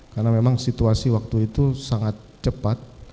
karena memang situasi waktu itu sangat cepat